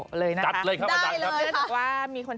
ที่จะทำให้สนับสนุนให้การขายออนไลน์ช่วงนี้ก็ขายดีนะแต่อยากจะรู้จริง